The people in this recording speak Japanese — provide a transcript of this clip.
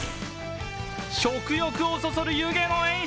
食欲をそそる湯気の演出